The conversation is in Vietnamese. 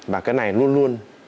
và cái này luôn luôn